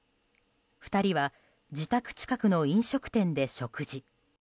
２人は自宅近くの飲食店で食事。